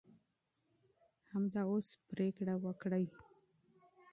همدا اوس پرېکړه وکړئ.